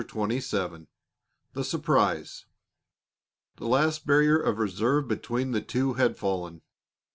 CHAPTER XXVII THE SURPRISE The last barrier of reserve between the two had fallen.